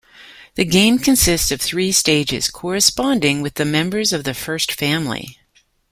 The game consists of three stages corresponding with the members of the First Family.